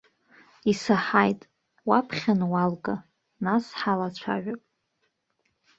Исаҳаит, уаԥхьаны уалга, нас ҳалацәажәап.